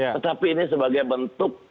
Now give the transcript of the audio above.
tetapi ini sebagai bentuk